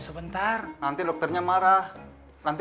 sebentar nanti dokternya marah nanti